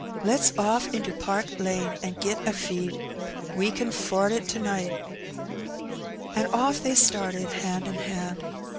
Let's oflF into Park Lane, and git a feed; we can 'ford it to night." And oflF they started, hand in hand.